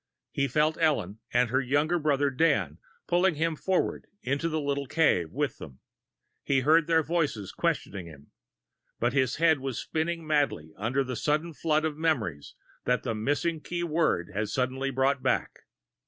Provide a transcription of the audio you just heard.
He felt Ellen and her younger brother, Dan, pulling him forward into the little cave with them, and he heard their voices questioning him. But his head was spinning madly under the sudden flood of memories that the missing key word had suddenly brought back.